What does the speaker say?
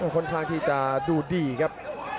ค่อนข้างที่จะดูดีครับ